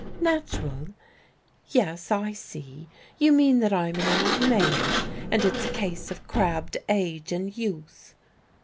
"Natural? Yes, I see: you mean that I'm an old maid, and it's a case of crabbed age and youth."